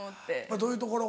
どういうところが？